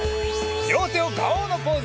りょうてをガオーのポーズ！